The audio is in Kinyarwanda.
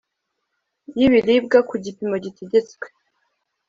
y'ibiribwa ku gipimo gitegetswe